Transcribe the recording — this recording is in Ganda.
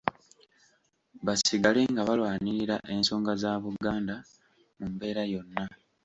Basigale nga balwanirira ensonga za Buganda mu mbeera yonna.